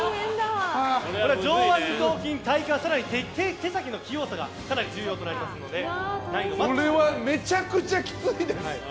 上腕二頭筋、体幹更に、手先の器用さが重要となりますのでこれはめちゃくちゃきついです。